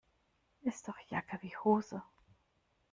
Ist doch Jacke wie Hose.